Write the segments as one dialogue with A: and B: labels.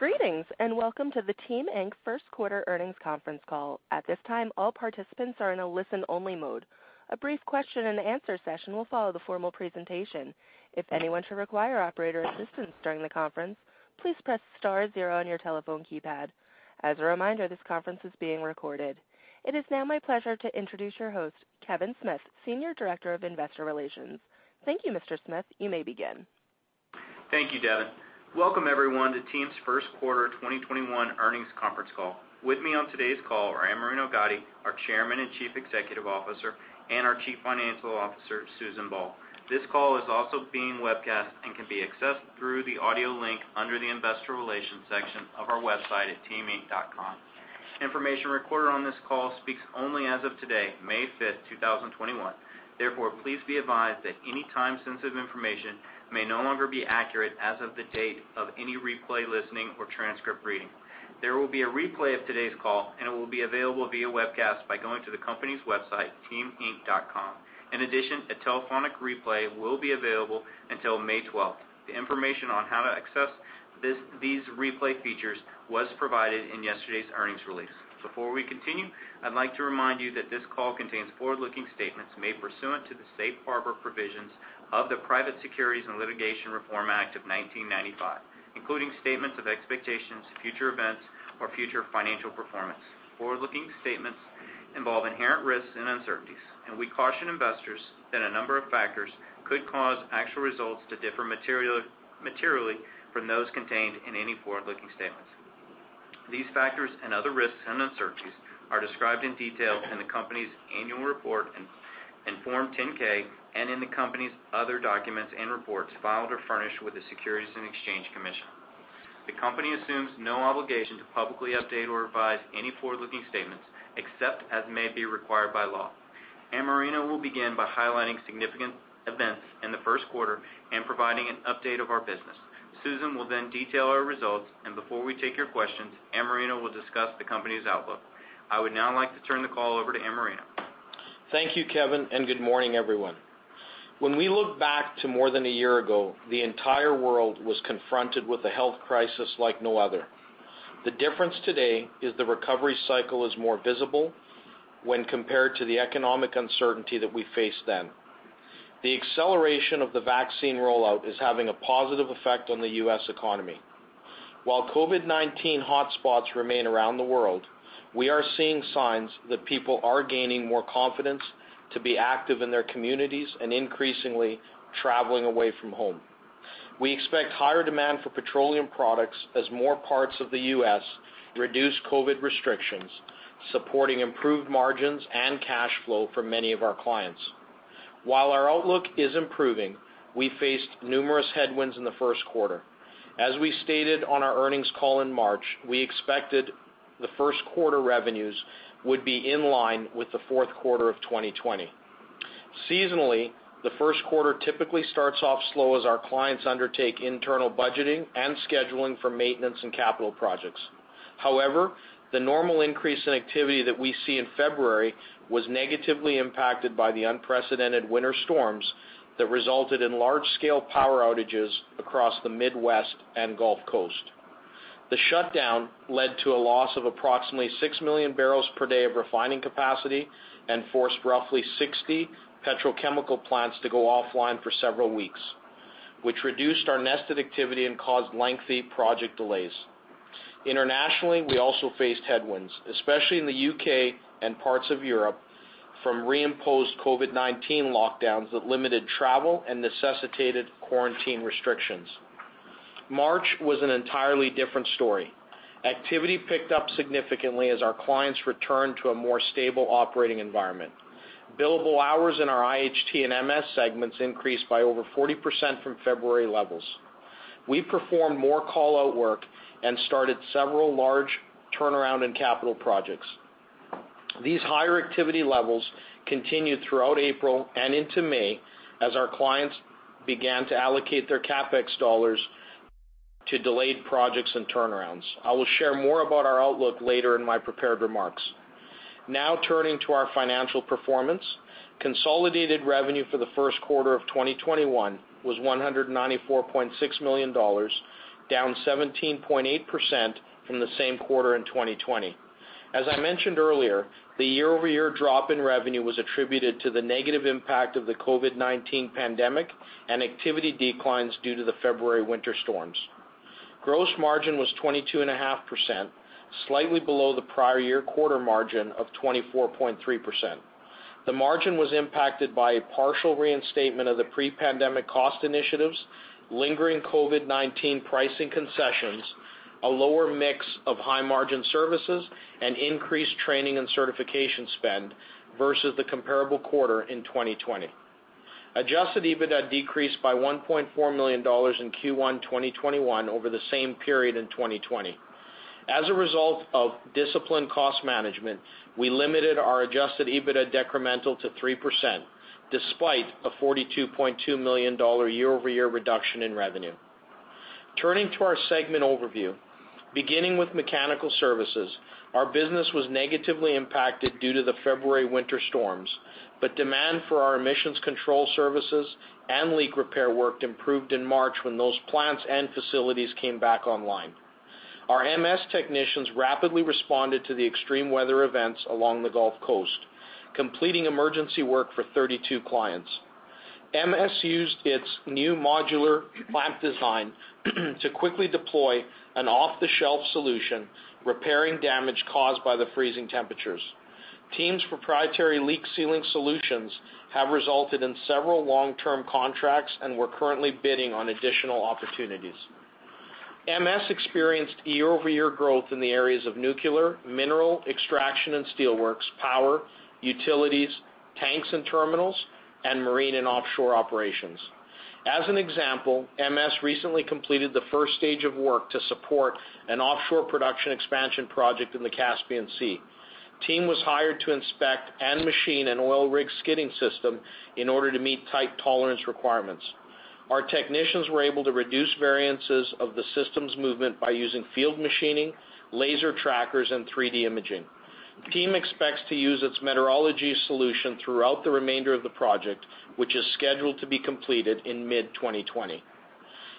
A: greetings and welcome to the TEAM Inc. first quarter earnings conference call. at this time, all participants are in a listen-only mode. a brief question-and-answer session will follow the formal presentation. if anyone should require operator assistance during the conference, please press star zero on your telephone keypad. as a reminder, this conference is being recorded. it is now my pleasure to introduce your host, Kevin Smith, Senior Director of Investor Relations. Thank you, Mr. Smith. You may begin.
B: Thank you, Devin. Welcome, everyone, to TEAM's first quarter 2021 earnings conference call. With me on today's call are Amerino Gatti, our Chairman and Chief Executive Officer, and our Chief Financial Officer, Susan Ball. This call is also being webcast and can be accessed through the audio link under the Investor Relations section of our website at teaminc.com. Information recorded on this call speaks only as of today, May 5th, 2021. Therefore, please be advised that any time-sensitive information may no longer be accurate as of the date of any replay listening or transcript reading. There will be a replay of today's call, and it will be available via webcast by going to the company's website, teaminc.com. In addition, a telephonic replay will be available until May 12th. The information on how to access these replay features was provided in yesterday's earnings release. Before we continue, I'd like to remind you that this call contains forward-looking statements made pursuant to the Safe Harbor Provisions of the Private Securities Litigation Reform Act of 1995, including statements of expectations, future events, or future financial performance. Forward-looking statements involve inherent risks and uncertainties, and we caution investors that a number of factors could cause actual results to differ materially from those contained in any forward-looking statements. These factors and other risks and uncertainties are described in detail in the company's Annual Report in Form 10-K and in the company's other documents and reports filed or furnished with the Securities and Exchange Commission. The company assumes no obligation to publicly update or revise any forward-looking statements except as may be required by law. Amerino will begin by highlighting significant events in the first quarter and providing an update of our business. Susan will then detail our results, and before we take your questions, Amerino will discuss the company's outlook. I would now like to turn the call over to Amerino.
C: Thank you, Kevin, and good morning, everyone. When we look back to more than a year ago, the entire world was confronted with a health crisis like no other. The difference today is the recovery cycle is more visible when compared to the economic uncertainty that we faced then. The acceleration of the vaccine rollout is having a positive effect on the U.S. economy. While COVID-19 hotspots remain around the world, we are seeing signs that people are gaining more confidence to be active in their communities and increasingly traveling away from home. We expect higher demand for petroleum products as more parts of the U.S. reduce COVID restrictions, supporting improved margins and cash flow for many of our clients. While our outlook is improving, we faced numerous headwinds in the first quarter. As we stated on our earnings call in March, we expected the first quarter revenues would be in line with the fourth quarter of 2020. Seasonally, the first quarter typically starts off slow as our clients undertake internal budgeting and scheduling for maintenance and capital projects. However, the normal increase in activity that we see in February was negatively impacted by the unprecedented winter storms that resulted in large-scale power outages across the Midwest and Gulf Coast. The shutdown led to a loss of approximately 6 MMbpd of refining capacity and forced roughly 60 petrochemical plants to go offline for several weeks, which reduced our nested activity and caused lengthy project delays. Internationally, we also faced headwinds, especially in the U.K. and parts of Europe, from reimposed COVID-19 lockdowns that limited travel and necessitated quarantine restrictions. March was an entirely different story. Activity picked up significantly as our clients returned to a more stable operating environment. Billable hours in our IHT and MS segments increased by over 40% from February levels. We performed more call-out work and started several large turnaround and capital projects. These higher activity levels continued throughout April and into May as our clients began to allocate their CapEx dollars to delayed projects and turnarounds. I will share more about our outlook later in my prepared remarks. Now turning to our financial performance. Consolidated revenue for the first quarter of 2021 was $194.6 million, down 17.8% from the same quarter in 2020. As I mentioned earlier, the year-over-year drop in revenue was attributed to the negative impact of the COVID-19 pandemic and activity declines due to the February winter storms. Gross margin was 22.5%, slightly below the prior year quarter margin of 24.3%. The margin was impacted by a partial reinstatement of the pre-pandemic cost initiatives, lingering COVID-19 pricing concessions, a lower mix of high-margin services, and increased training and certification spend versus the comparable quarter in 2020. Adjusted EBITDA decreased by $1.4 million in Q1 2021 over the same period in 2020. As a result of disciplined cost management, we limited our adjusted EBITDA decremental to 3%, despite a $42.2 million year-over-year reduction in revenue. Turning to our segment overview. Beginning with Mechanical Services, our business was negatively impacted due to the February winter storms, but demand for our emissions control services and leak repair work improved in March when those plants and facilities came back online. Our MS technicians rapidly responded to the extreme weather events along the Gulf Coast, completing emergency work for 32 clients. MS used its new modular plant design to quickly deploy an off-the-shelf solution, repairing damage caused by the freezing temperatures. TEAM's proprietary leak-sealing solutions have resulted in several long-term contracts, and we're currently bidding on additional opportunities. MS experienced year-over-year growth in the areas of nuclear, mineral extraction and steelworks, power, utilities, tanks and terminals, and marine and offshore operations. As an example, MS recently completed the first stage of work to support an offshore production expansion project in the Caspian Sea. TEAM was hired to inspect and machine an oil rig skidding system in order to meet tight tolerance requirements. Our technicians were able to reduce variances of the system's movement by using field machining, laser trackers, and 3D imaging. TEAM expects to use its metrology solution throughout the remainder of the project, which is scheduled to be completed in mid-2022.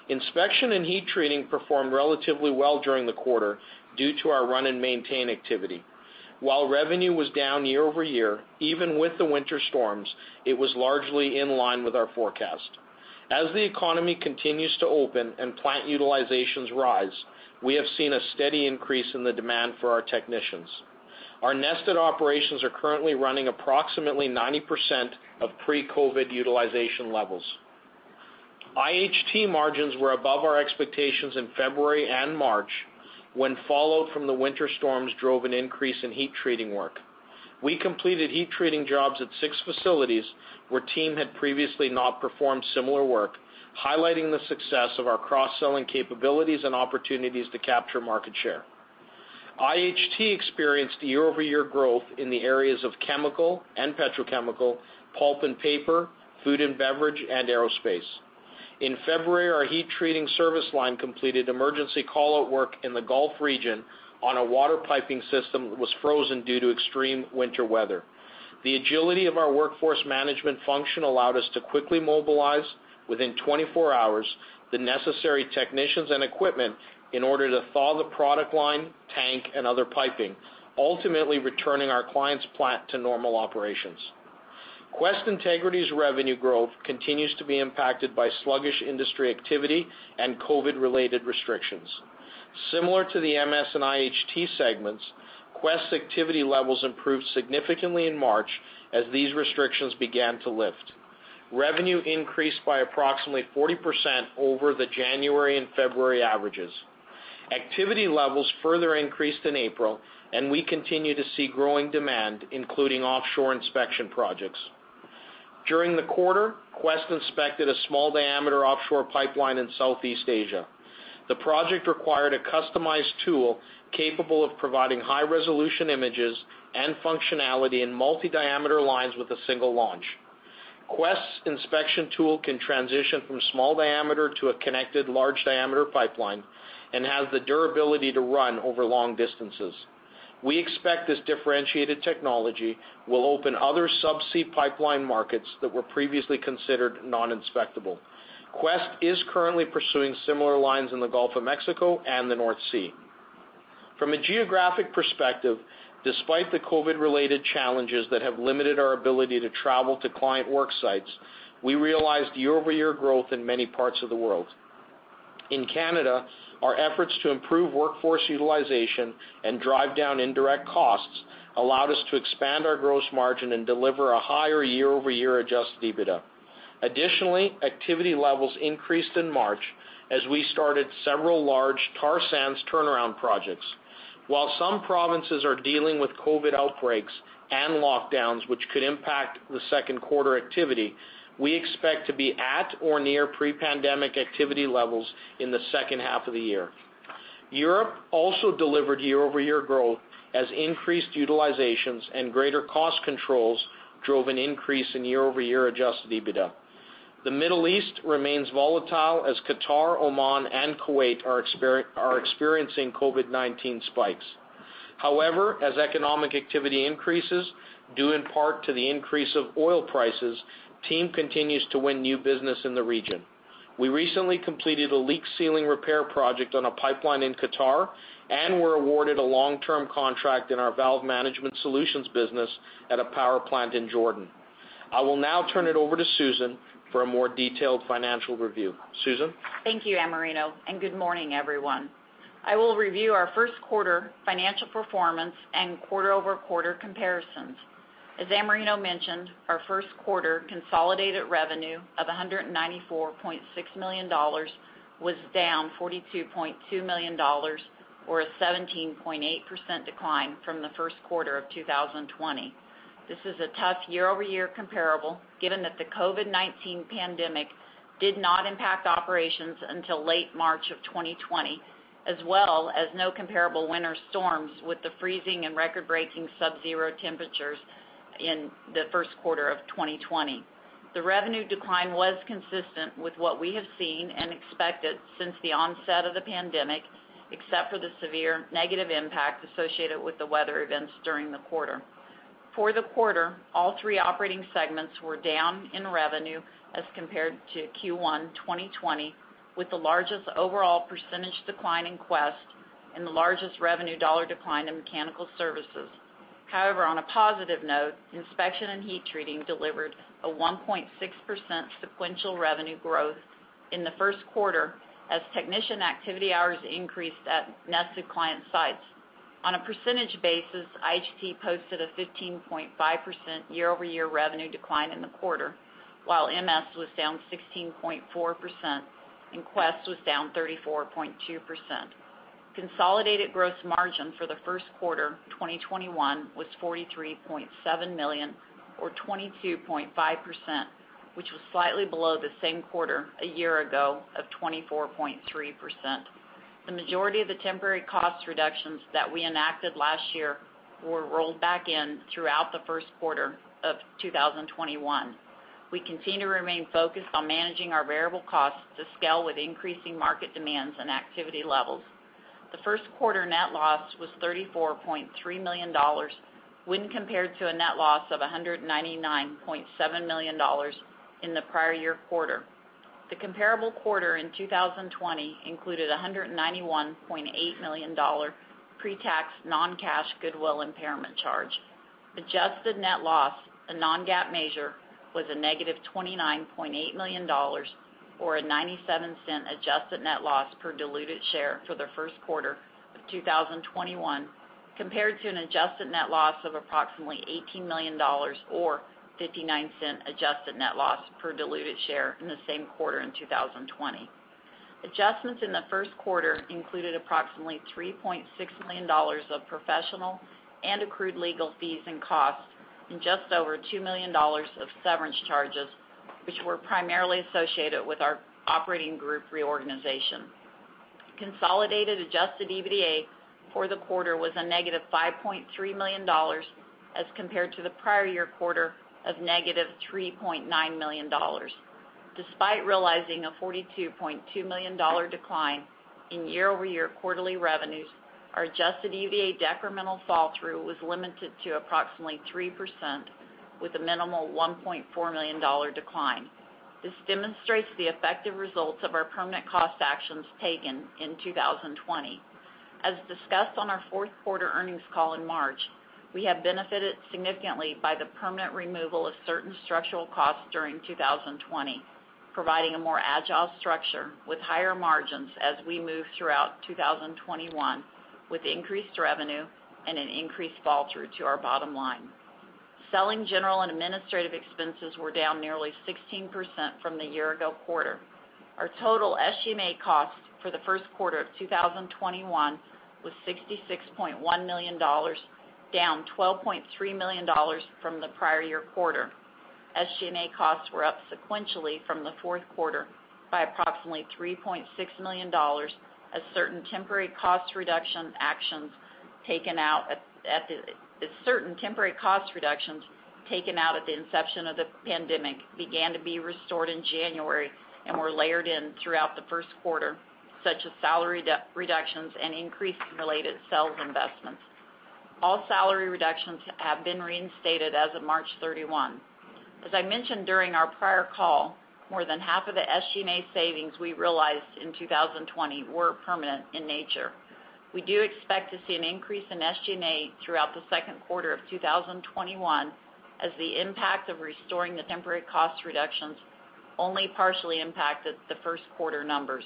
C: Inspection and Heat Treating performed relatively well during the quarter due to our run-and-maintain activity. While revenue was down year-over-year, even with the winter storms, it was largely in line with our forecast. As the economy continues to open and plant utilizations rise, we have seen a steady increase in the demand for our technicians. Our nested operations are currently running approximately 90% of pre-COVID-19 utilization levels. IHT margins were above our expectations in February and March, when fallout from the winter storms drove an increase in heat-treating work. We completed heat-treating jobs at six facilities where TEAM had previously not performed similar work, highlighting the success of our cross-selling capabilities and opportunities to capture market share. IHT experienced year-over-year growth in the areas of chemical and petrochemical, pulp and paper, food and beverage, and aerospace. In February, our heat-treating service line completed emergency call-out work in the Gulf region on a water piping system that was frozen due to extreme winter weather. The agility of our workforce management function allowed us to quickly mobilize, within 24 hours, the necessary technicians and equipment in order to thaw the product line, tank, and other piping, ultimately returning our client's plant to normal operations. Quest Integrity's revenue growth continues to be impacted by sluggish industry activity and COVID-related restrictions. Similar to the MS and IHT segments, Quest activity levels improved significantly in March as these restrictions began to lift. Revenue increased by approximately 40% over the January and February averages. Activity levels further increased in April. We continue to see growing demand, including offshore inspection projects. During the quarter, Quest inspected a small-diameter offshore pipeline in Southeast Asia. The project required a customized tool capable of providing high-resolution images and functionality in multi-diameter lines with a single launch. Quest's inspection tool can transition from small diameter to a connected large-diameter pipeline and has the durability to run over long distances. We expect this differentiated technology will open other subsea pipeline markets that were previously considered non-inspectable. Quest is currently pursuing similar lines in the Gulf of Mexico and the North Sea. From a geographic perspective, despite the COVID-related challenges that have limited our ability to travel to client work sites, we realized year-over-year growth in many parts of the world. In Canada, our efforts to improve workforce utilization and drive down indirect costs allowed us to expand our gross margin and deliver a higher year-over-year adjusted EBITDA. Additionally, activity levels increased in March as we started several large tar sands turnaround projects. While some provinces are dealing with COVID-19 outbreaks and lockdowns, which could impact the second quarter activity, we expect to be at or near pre-pandemic activity levels in the second half of the year. Europe also delivered year-over-year growth as increased utilizations and greater cost controls drove an increase in year-over-year adjusted EBITDA. The Middle East remains volatile as Qatar, Oman, and Kuwait are experiencing COVID-19 spikes. As economic activity increases, due in part to the increase of oil prices, TEAM continues to win new business in the region. We recently completed a leak sealing repair project on a pipeline in Qatar and were awarded a long-term contract in our valve management solutions business at a power plant in Jordan. I will now turn it over to Susan for a more detailed financial review. Susan?
D: Thank you, Amerino, and good morning, everyone. I will review our first quarter financial performance and quarter-over-quarter comparisons. As Amerino mentioned, our first quarter consolidated revenue of $194.6 million was down $42.2 million, or a 17.8% decline from the first quarter of 2020. This is a tough year-over-year comparable given that the COVID-19 pandemic did not impact operations until late March of 2020, as well as no comparable winter storms with the freezing and record-breaking subzero temperatures in the first quarter of 2020. The revenue decline was consistent with what we have seen and expected since the onset of the pandemic, except for the severe negative impact associated with the weather events during the quarter. For the quarter, all three operating segments were down in revenue as compared to Q1 2020, with the largest overall percentage decline in Quest and the largest revenue dollar decline in Mechanical Services. However, on a positive note, Inspection and Heat Treating delivered a 1.6% sequential revenue growth in the first quarter as technician activity hours increased at nested client sites. On a percentage basis, IHT posted a 15.5% year-over-year revenue decline in the quarter, while MS was down 16.4%, and Quest was down 34.2%. Consolidated gross margin for the first quarter 2021 was $43.7 million, or 22.5%, which was slightly below the same quarter a year ago of 24.3%. The majority of the temporary cost reductions that we enacted last year were rolled back in throughout the first quarter of 2021. We continue to remain focused on managing our variable costs to scale with increasing market demands and activity levels. The first quarter net loss was $34.3 million when compared to a net loss of $199.7 million in the prior year quarter. The comparable quarter in 2020 included $191.8 million pre-tax non-cash goodwill impairment charge. Adjusted net loss, a non-GAAP measure, was a negative $29.8 million, or a $0.97 adjusted net loss per diluted share for the first quarter of 2021, compared to an adjusted net loss of approximately $18 million, or $0.59 adjusted net loss per diluted share in the same quarter in 2020. Adjustments in the first quarter included approximately $3.6 million of professional and accrued legal fees and costs and just over $2 million of severance charges, which were primarily associated with our operating group reorganization. Consolidated adjusted EBITDA for the quarter was a negative $5.3 million, as compared to the prior year quarter of negative $3.9 million. Despite realizing a $42.2 million decline in year-over-year quarterly revenues, our adjusted EBITDA decremental fall-through was limited to approximately 3% with a minimal $1.4 million decline. This demonstrates the effective results of our permanent cost actions taken in 2020. As discussed on our fourth quarter earnings call in March, we have benefited significantly by the permanent removal of certain structural costs during 2020, providing a more agile structure with higher margins as we move throughout 2021 with increased revenue and an increased fall-through to our bottom line. Selling general and administrative expenses were down nearly 16% from the year-ago quarter. Our total SG&A cost for the first quarter of 2021 was $66.1 million, down $12.3 million from the prior year quarter. SG&A costs were up sequentially from the fourth quarter by approximately $3.6 million as certain temporary cost reductions taken out at the inception of the pandemic began to be restored in January and were layered in throughout the first quarter, such as salary reductions and increased related sales investments. All salary reductions have been reinstated as of March 31. As I mentioned during our prior call, more than half of the SG&A savings we realized in 2020 were permanent in nature. We do expect to see an increase in SG&A throughout the second quarter of 2021 as the impact of restoring the temporary cost reductions only partially impacted the first quarter numbers.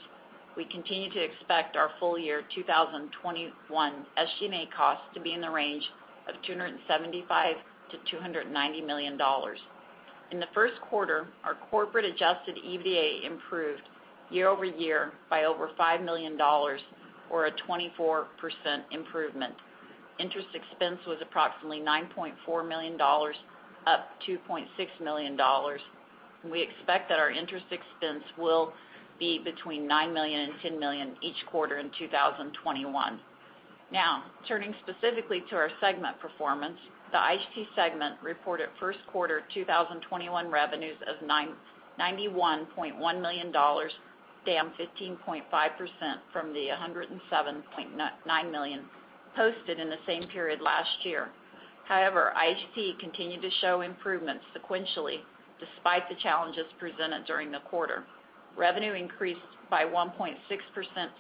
D: We continue to expect our full year 2021 SG&A cost to be in the range of $275 million-$290 million. In the first quarter, our corporate adjusted EBITDA improved year-over-year by over $5 million, or a 24% improvement. Interest expense was approximately $9.4 million, up $2.6 million. We expect that our interest expense will be between $9 million and $10 million each quarter in 2021. Now, turning specifically to our segment performance. The IHT segment reported first quarter 2021 revenues of $91.1 million, down 15.5% from the $107.9 million posted in the same period last year. IHT continued to show improvement sequentially, despite the challenges presented during the quarter. Revenue increased by 1.6%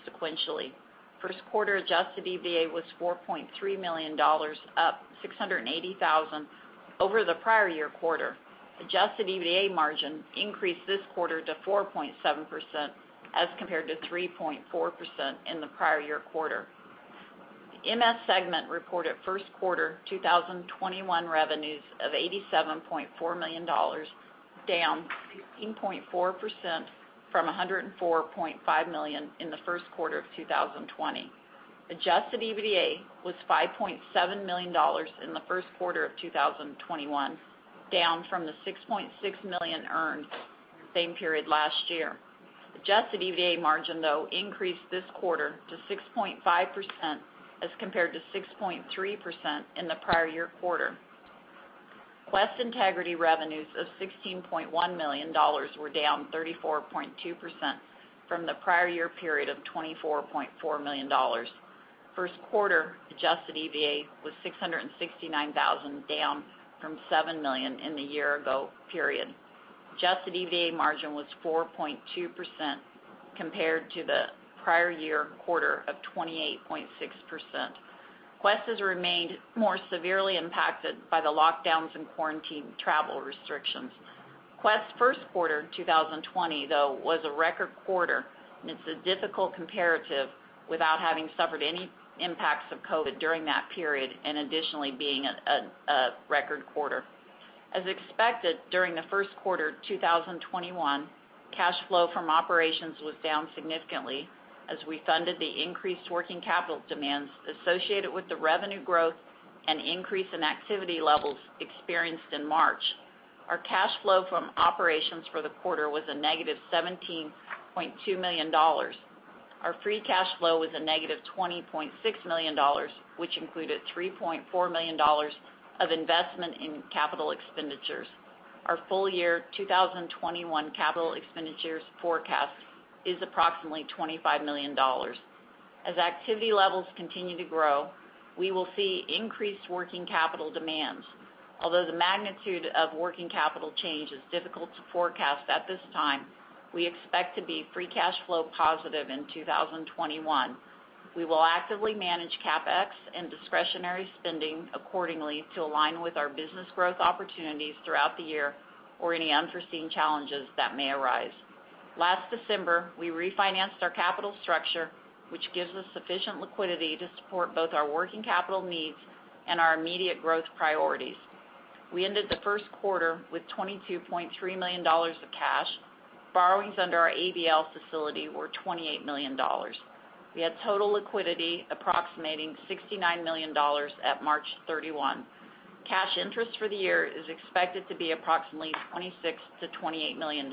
D: sequentially. First quarter adjusted EBITDA was $4.3 million, up $680,000 over the prior year quarter. Adjusted EBITDA margin increased this quarter to 4.7% as compared to 3.4% in the prior year quarter. The MS segment reported first quarter 2021 revenues of $87.4 million, down 16.4% from $104.5 million in the first quarter of 2020. Adjusted EBITDA was $5.7 million in the first quarter of 2021, down from the $6.6 million earned same period last year. Adjusted EBITDA margin, though, increased this quarter to 6.5%, as compared to 6.3% in the prior year quarter. Quest Integrity revenues of $16.1 million were down 34.2% from the prior year period of $24.4 million. First quarter adjusted EBITDA was $669,000, down from $7 million in the year-ago period. Adjusted EBITDA margin was 4.2%, compared to the prior year quarter of 28.6%. Quest has remained more severely impacted by the lockdowns and quarantine travel restrictions. Quest first quarter 2020, though, was a record quarter, and it's a difficult comparative without having suffered any impacts of COVID during that period and additionally being a record quarter. As expected, during the first quarter 2021, cash flow from operations was down significantly as we funded the increased working capital demands associated with the revenue growth and increase in activity levels experienced in March. Our cash flow from operations for the quarter was a negative $17.2 million. Our free cash flow was a negative $20.6 million, which included $3.4 million of investment in capital expenditures. Our full year 2021 capital expenditures forecast is approximately $25 million. As activity levels continue to grow, we will see increased working capital demands. Although the magnitude of working capital change is difficult to forecast at this time, we expect to be free cash flow positive in 2021. We will actively manage CapEx and discretionary spending accordingly to align with our business growth opportunities throughout the year or any unforeseen challenges that may arise. Last December, we refinanced our capital structure, which gives us sufficient liquidity to support both our working capital needs and our immediate growth priorities. We ended the first quarter with $22.3 million of cash. Borrowings under our ABL facility were $28 million. We had total liquidity approximating $69 million at March 31. Cash interest for the year is expected to be approximately $26 million-$28 million.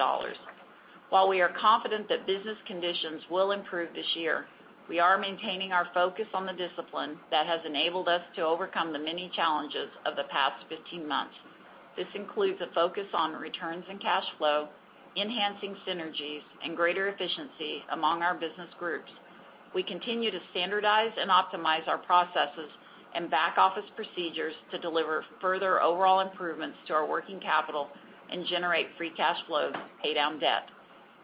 D: While we are confident that business conditions will improve this year, we are maintaining our focus on the discipline that has enabled us to overcome the many challenges of the past 15 months. This includes a focus on returns and cash flow, enhancing synergies, and greater efficiency among our business groups. We continue to standardize and optimize our processes and back-office procedures to deliver further overall improvements to our working capital and generate free cash flow to pay down debt.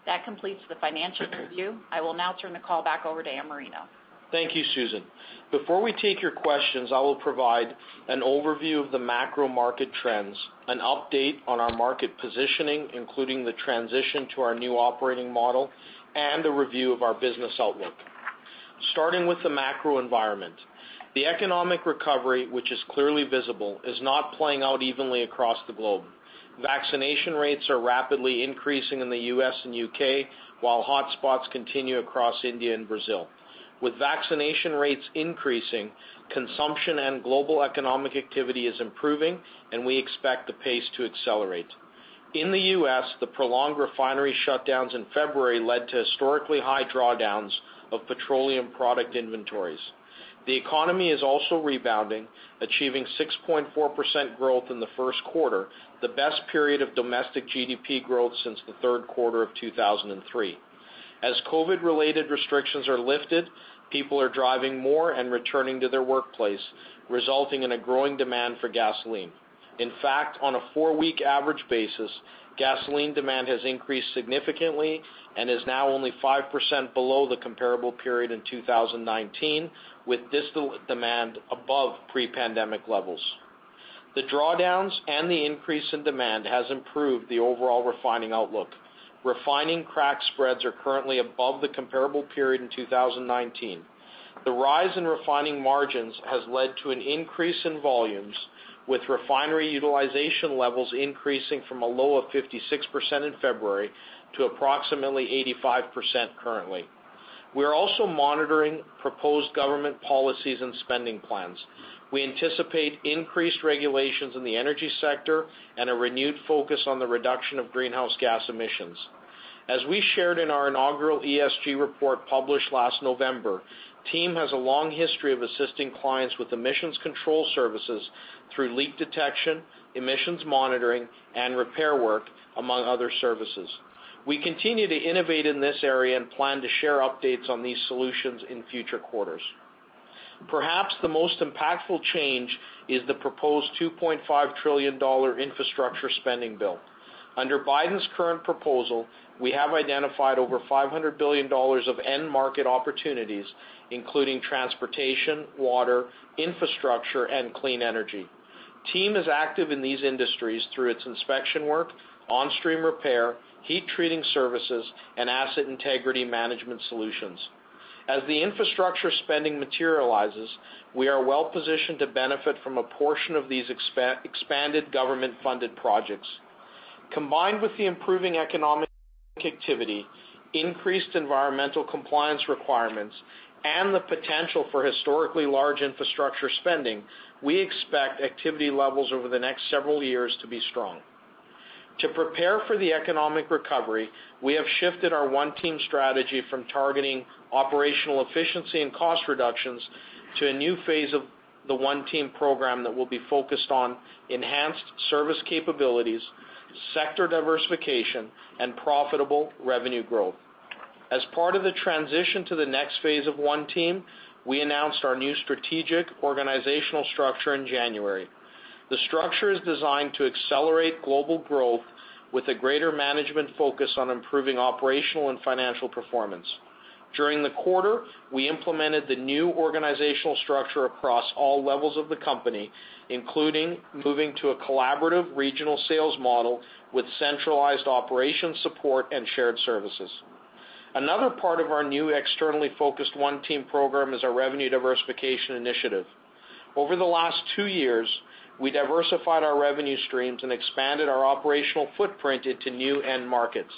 D: That completes the financial review. I will now turn the call back over to Amerino.
C: Thank you, Susan. Before we take your questions, I will provide an overview of the macro market trends, an update on our market positioning, including the transition to our new operating model, and a review of our business outlook. Starting with the macro environment. The economic recovery, which is clearly visible, is not playing out evenly across the globe. Vaccination rates are rapidly increasing in the U.S. and U.K., while hotspots continue across India and Brazil. With vaccination rates increasing, consumption and global economic activity is improving, and we expect the pace to accelerate. In the U.S., the prolonged refinery shutdowns in February led to historically high drawdowns of petroleum product inventories. The economy is also rebounding, achieving 6.4% growth in the first quarter, the best period of domestic GDP growth since the third quarter of 2003. As COVID-related restrictions are lifted, people are driving more and returning to their workplace, resulting in a growing demand for gasoline. In fact, on a four-week average basis, gasoline demand has increased significantly and is now only 5% below the comparable period in 2019, with distillate demand above pre-pandemic levels. The drawdowns and the increase in demand has improved the overall refining outlook. Refining crack spreads are currently above the comparable period in 2019. The rise in refining margins has led to an increase in volumes, with refinery utilization levels increasing from a low of 56% in February to approximately 85% currently. We are also monitoring proposed government policies and spending plans. We anticipate increased regulations in the energy sector and a renewed focus on the reduction of greenhouse gas emissions. As we shared in our inaugural ESG report published last November, TEAM has a long history of assisting clients with emissions control services through leak detection, emissions monitoring, and repair work, among other services. We continue to innovate in this area and plan to share updates on these solutions in future quarters. Perhaps the most impactful change is the proposed $2.5 trillion infrastructure spending bill. Under Biden's current proposal, we have identified over $500 billion of end-market opportunities, including transportation, water, infrastructure, and clean energy. TEAM is active in these industries through its inspection work, on-stream repair, heat treating services, and asset integrity management solutions. As the infrastructure spending materializes, we are well-positioned to benefit from a portion of these expanded government-funded projects. Combined with the improving economic activity, increased environmental compliance requirements, and the potential for historically large infrastructure spending, we expect activity levels over the next several years to be strong. To prepare for the economic recovery, we have shifted our OneTEAM strategy from targeting operational efficiency and cost reductions to a new phase of the OneTEAM program that will be focused on enhanced service capabilities, sector diversification, and profitable revenue growth. As part of the transition to the next phase of OneTEAM, we announced our new strategic organizational structure in January. The structure is designed to accelerate global growth with a greater management focus on improving operational and financial performance. During the quarter, we implemented the new organizational structure across all levels of the company, including moving to a collaborative regional sales model with centralized operation support and shared services. Another part of our new externally focused OneTEAM program is our revenue diversification initiative. Over the last two years, we diversified our revenue streams and expanded our operational footprint into new end markets.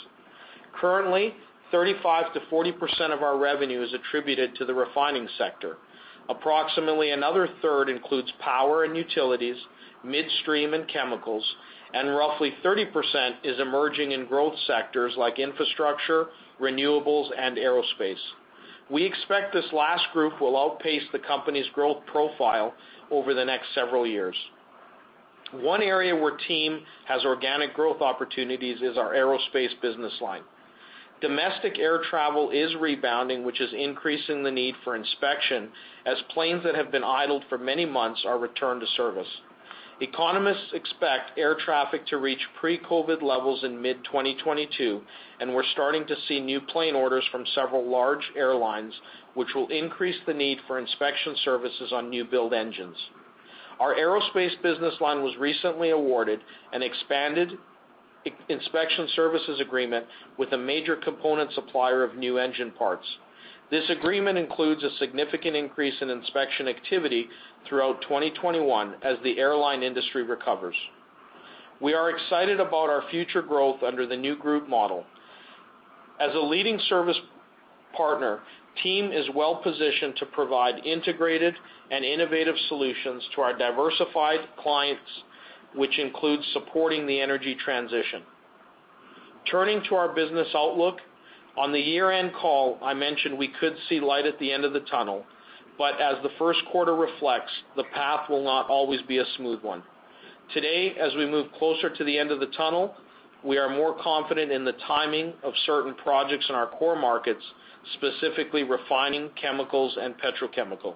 C: Currently, 35%-40% of our revenue is attributed to the refining sector. Approximately another third includes power and utilities, midstream and chemicals, roughly 30% is emerging in growth sectors like infrastructure, renewables, and aerospace. We expect this last group will outpace the company's growth profile over the next several years. One area where TEAM has organic growth opportunities is our aerospace business line. Domestic air travel is rebounding, which is increasing the need for inspection, as planes that have been idled for many months are returned to service. Economists expect air traffic to reach pre-COVID-19 levels in mid-2022, and we're starting to see new plane orders from several large airlines, which will increase the need for inspection services on new build engines. Our aerospace business line was recently awarded an expanded inspection services agreement with a major component supplier of new engine parts. This agreement includes a significant increase in inspection activity throughout 2021 as the airline industry recovers. We are excited about our future growth under the new group model. As a leading service partner, TEAM is well positioned to provide integrated and innovative solutions to our diversified clients, which includes supporting the energy transition. Turning to our business outlook, on the year-end call, I mentioned we could see light at the end of the tunnel, but as the first quarter reflects, the path will not always be a smooth one. Today, as we move closer to the end of the tunnel, we are more confident in the timing of certain projects in our core markets, specifically refining, chemicals, and petrochemical.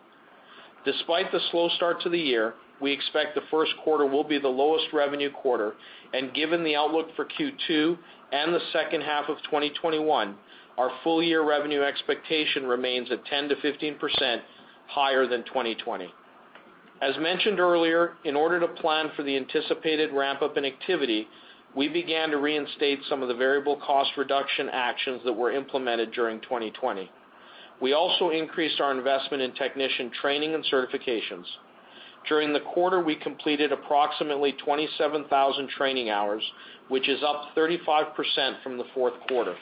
C: Despite the slow start to the year, we expect the first quarter will be the lowest revenue quarter, and given the outlook for Q2 and the second half of 2021, our full year revenue expectation remains at 10%-15% higher than 2020. As mentioned earlier, in order to plan for the anticipated ramp-up in activity, we began to reinstate some of the variable cost reduction actions that were implemented during 2020. We also increased our investment in technician training and certifications. During the quarter, we completed approximately 27,000 training hours, which is up 35% from the fourth quarter.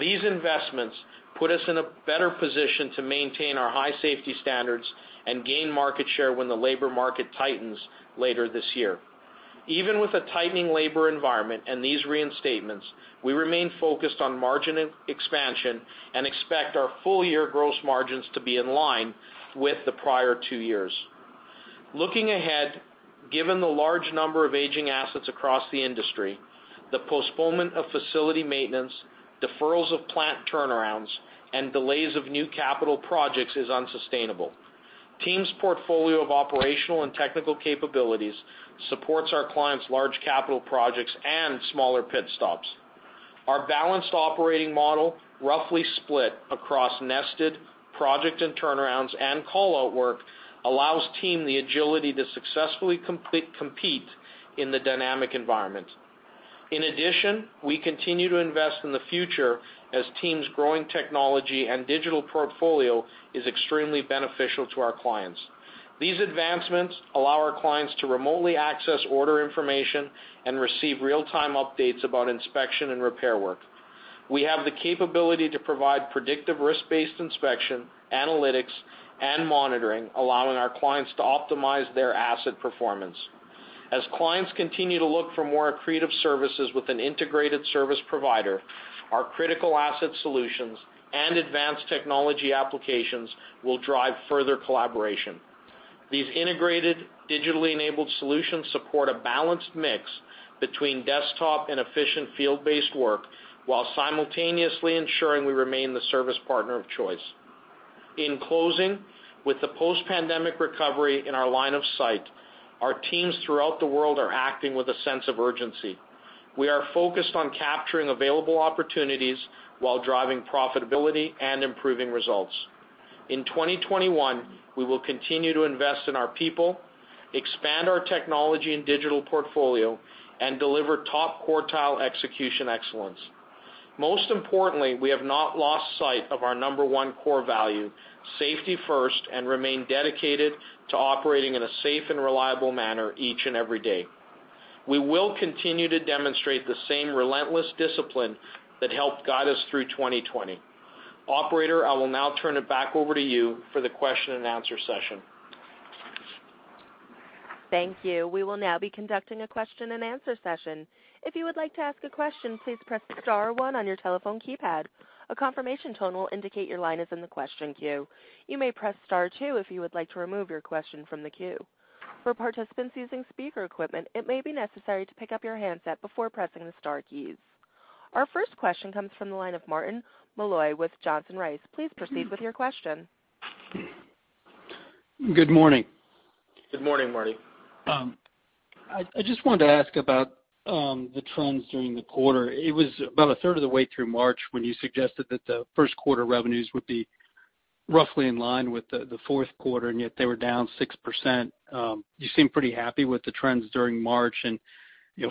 C: These investments put us in a better position to maintain our high safety standards and gain market share when the labor market tightens later this year. Even with a tightening labor environment and these reinstatements, we remain focused on margin expansion and expect our full year gross margins to be in line with the prior two years. Looking ahead, given the large number of aging assets across the industry, the postponement of facility maintenance, deferrals of plant turnarounds, and delays of new capital projects is unsustainable. TEAM's portfolio of operational and technical capabilities supports our clients' large capital projects and smaller pit stops. Our balanced operating model, roughly split across nested project and turnarounds and call-out work, allows TEAM the agility to successfully compete in the dynamic environment. In addition, we continue to invest in the future as TEAM's growing technology and digital portfolio is extremely beneficial to our clients. These advancements allow our clients to remotely access order information and receive real-time updates about inspection and repair work. We have the capability to provide predictive risk-based inspection, analytics, and monitoring, allowing our clients to optimize their asset performance. As clients continue to look for more accretive services with an integrated service provider, our critical asset solutions and advanced technology applications will drive further collaboration. These integrated, digitally enabled solutions support a balanced mix between desktop and efficient field-based work while simultaneously ensuring we remain the service partner of choice. In closing, with the post-pandemic recovery in our line of sight, our TEAMs throughout the world are acting with a sense of urgency. We are focused on capturing available opportunities while driving profitability and improving results. In 2021, we will continue to invest in our people, expand our technology and digital portfolio, and deliver top quartile execution excellence. Most importantly, we have not lost sight of our number one core value, Safety First, and remain dedicated to operating in a safe and reliable manner each and every day. We will continue to demonstrate the same relentless discipline that helped guide us through 2020. Operator, I will now turn it back over to you for the question and answer session.
A: Thank you. We will now be conducting a question-and-answer session. If you would like to ask a question, please press star one on your telephone keypad. A confirmation tone will indicate your line is in the question queue. You may press star two if you would like to remove your question from the queue. For participants using speaker equipment, it may be necessary to pick up your handset before pressing the star keys. Our first question comes from the line of Martin Malloy with Johnson Rice. Please proceed with your question.
E: Good morning.
C: Good morning, Marty.
E: I just wanted to ask about the trends during the quarter. It was about a third of the way through March when you suggested that the first quarter revenues would be roughly in line with the fourth quarter, and yet they were down 6%. You seem pretty happy with the trends during March.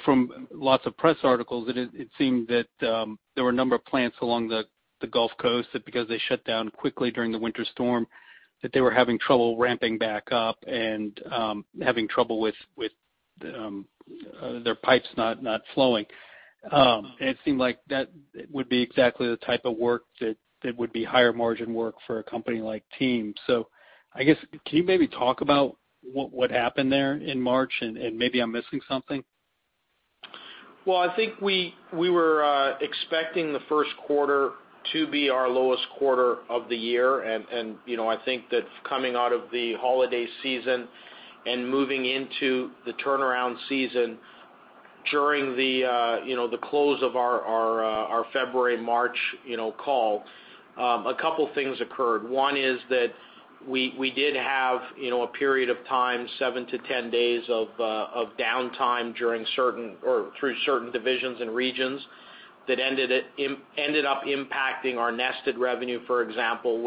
E: From lots of press articles, it seemed that there were a number of plants along the Gulf Coast that because they shut down quickly during the winter storm, that they were having trouble ramping back up and having trouble with their pipes not flowing. It seemed like that would be exactly the type of work that would be higher margin work for a company like TEAM. I guess, can you maybe talk about what happened there in March, and maybe I'm missing something?
C: Well, I think we were expecting the first quarter to be our lowest quarter of the year. I think that coming out of the holiday season and moving into the turnaround season during the close of our February, March call, a couple things occurred. One is that we did have a period of time, 7-10 days of downtime through certain divisions and regions that ended up impacting our nested revenue, for example,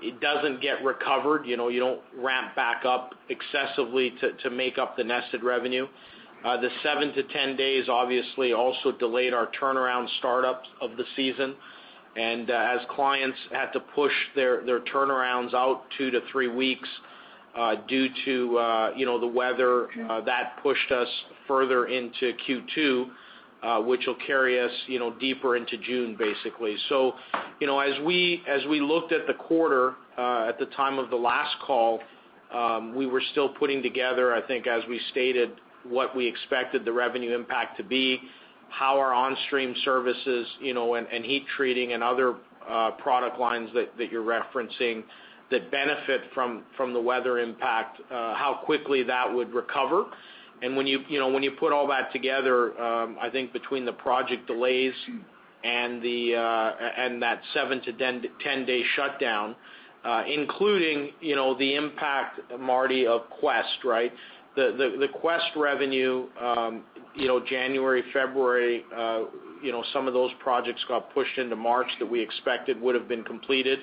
C: which it doesn't get recovered. You don't ramp back up excessively to make up the nested revenue. The 7-10 days obviously also delayed our turnaround startups of the season. As clients had to push their turnarounds out two to three weeks due to the weather, that pushed us further into Q2, which will carry us deeper into June, basically. As we looked at the quarter at the time of the last call, we were still putting together, I think, as we stated, what we expected the revenue impact to be, how our on-stream services and heat treating and other product lines that you're referencing that benefit from the weather impact, how quickly that would recover. When you put all that together, I think between the project delays and that seven to 10-day shutdown, including the impact, Marty, of Quest, right? The Quest revenue January, February, some of those projects got pushed into March that we expected would have been completed.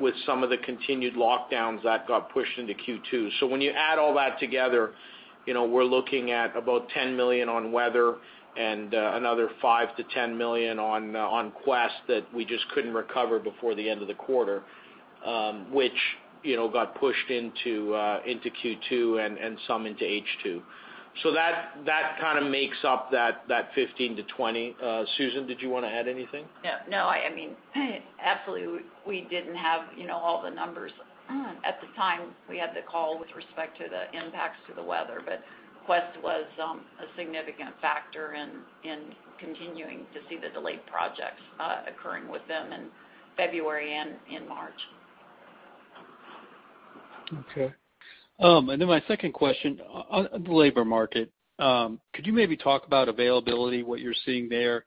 C: With some of the continued lockdowns, that got pushed into Q2. When you add all that together, we're looking at about $10 million on weather and another $5 million-$10 million on Quest that we just couldn't recover before the end of the quarter, which got pushed into Q2 and some into H2. That kind of makes up that $15 million-$20 million. Susan, did you want to add anything?
D: Absolutely, we didn't have all the numbers at the time we had the call with respect to the impacts to the weather. Quest was a significant factor in continuing to see the delayed projects occurring with them in February and in March.
E: Okay. My second question on the labor market. Could you maybe talk about availability, what you're seeing there,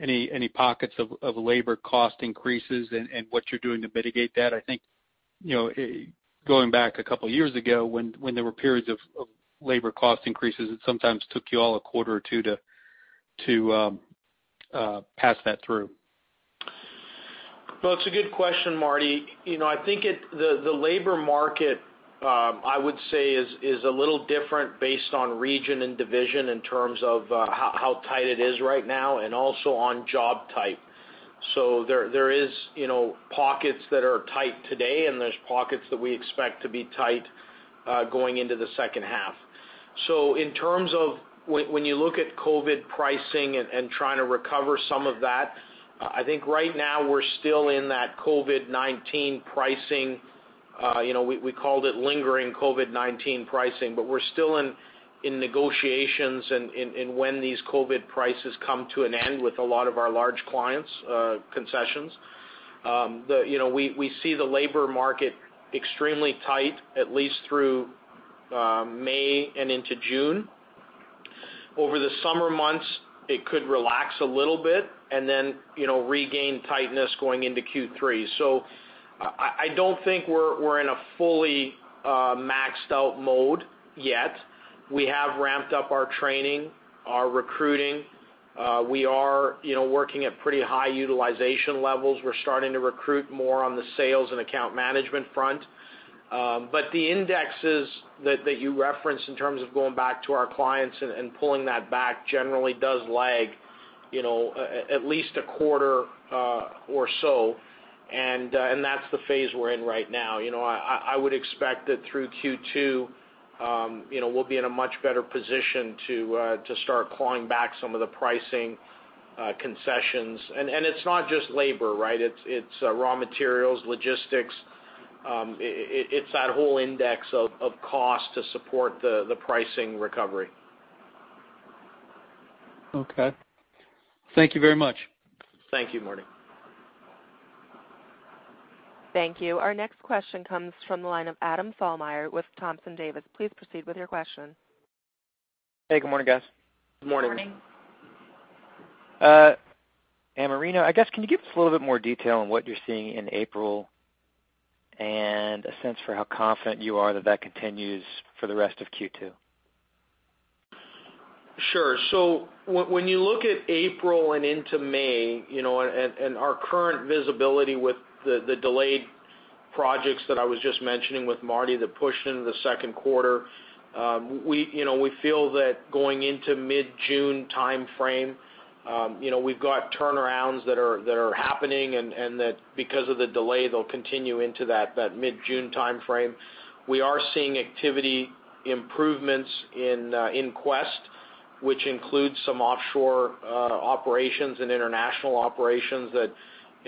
E: any pockets of labor cost increases, and what you're doing to mitigate that? I think, going back a couple of years ago when there were periods of labor cost increases, it sometimes took you all a quarter or two to pass that through.
C: It's a good question, Marty. I think the labor market, I would say is a little different based on region and division in terms of how tight it is right now and also on job type. There is pockets that are tight today, and there's pockets that we expect to be tight going into the second half. In terms of when you look at COVID pricing and trying to recover some of that, I think right now we're still in that COVID-19 pricing. We called it lingering COVID-19 pricing, but we're still in negotiations and when these COVID prices come to an end with a lot of our large clients' concessions. We see the labor market extremely tight, at least through May and into June. Over the summer months, it could relax a little bit and then regain tightness going into Q3. I don't think we're in a fully maxed out mode yet. We have ramped up our training, our recruiting. We are working at pretty high utilization levels. We're starting to recruit more on the sales and account management front. The indexes that you referenced in terms of going back to our clients and pulling that back generally does lag at least a quarter or so. That's the phase we're in right now. I would expect that through Q2, we'll be in a much better position to start clawing back some of the pricing concessions. It's not just labor, right? It's raw materials, logistics. It's that whole index of cost to support the pricing recovery.
E: Okay. Thank you very much.
C: Thank you, Marty.
A: Thank you. Our next question comes from the line of Adam Thalhimer with Thompson Davis. Please proceed with your question.
F: Hey, good morning, guys.
C: Good morning.
D: Good morning.
F: Amerino, I guess can you give us a little bit more detail on what you're seeing in April and a sense for how confident you are that continues for the rest of Q2?
C: Sure. When you look at April and into May, and our current visibility with the delayed projects that I was just mentioning with Marty, the push into the second quarter, we feel that going into mid-June timeframe, we've got turnarounds that are happening and that because of the delay, they'll continue into that mid-June timeframe. We are seeing activity improvements in Quest, which includes some offshore operations and international operations that,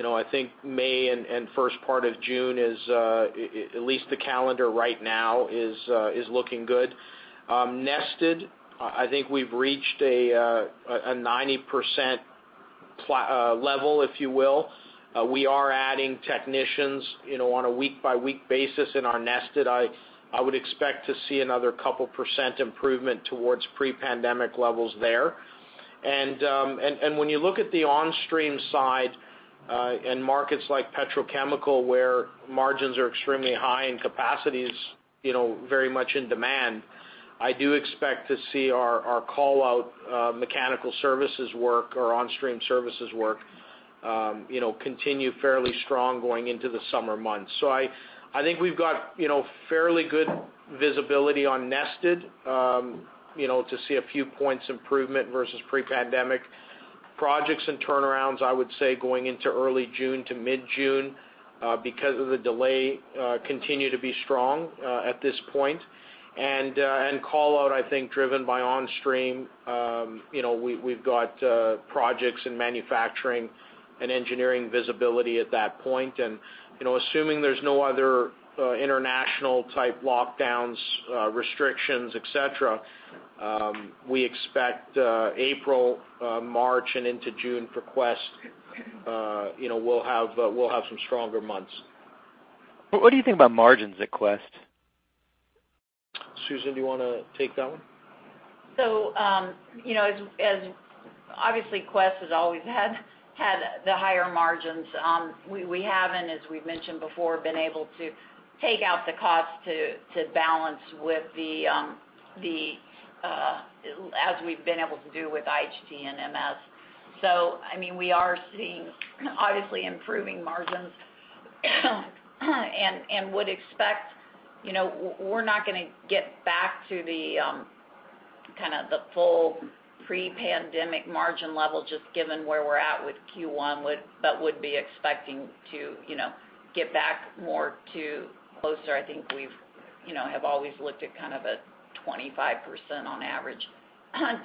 C: I think May and first part of June is, at least the calendar right now, is looking good. Nested, I think we've reached a 90% level, if you will. We are adding technicians on a week-by-week basis in our Nested. I would expect to see another couple percent improvement towards pre-pandemic levels there. When you look at the on-stream side, in markets like petrochemical where margins are extremely high and capacity is very much in demand, I do expect to see our call-out Mechanical Services work or on-stream services work continue fairly strong going into the summer months. I think we've got fairly good visibility on net to see a few points improvement versus pre-pandemic. Projects and turnarounds, I would say, going into early June to mid-June, because of the delay, continue to be strong at this point. Call-out, I think driven by on-stream. We've got projects and manufacturing and engineering visibility at that point. Assuming there's no other international type lockdowns, restrictions, et cetera, we expect April, March, and into June for Quest, we'll have some stronger months.
F: What do you think about margins at Quest?
C: Susan, do you want to take that one?
D: Obviously Quest has always had the higher margins. We haven't, as we've mentioned before, been able to take out the cost to balance as we've been able to do with IHT and MS. We are seeing, obviously, improving margins and would expect we're not going to get back to the full pre-pandemic margin level, just given where we're at with Q1, but would be expecting to get back more to closer. I think we have always looked at a 25% on average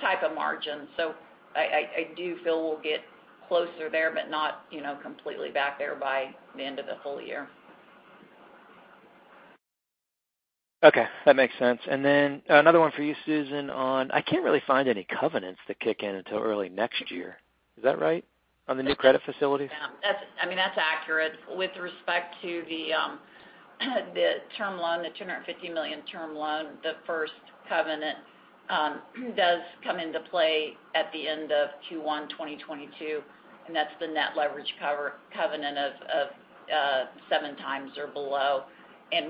D: type of margin. I do feel we'll get closer there, but not completely back there by the end of the full year.
F: Okay, that makes sense. Another one for you, Susan. I can't really find any covenants that kick in until early next year. Is that right? On the new credit facilities?
D: Yeah. That's accurate. With respect to the $250 million term loan, the first covenant does come into play at the end of Q1 2022, and that's the net leverage covenant of 7x or below.